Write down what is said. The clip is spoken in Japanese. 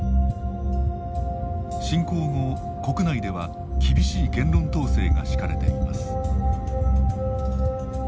侵攻後国内では厳しい言論統制が敷かれています。